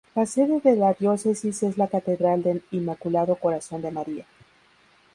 La sede de la Diócesis es la Catedral del Inmaculado Corazón de María.